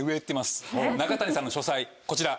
中谷さんの書斎こちら。